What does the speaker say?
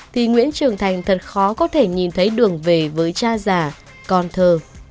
thì nguyễn trường thành thật khó có thể nhìn thấy đường về với cha già con thơ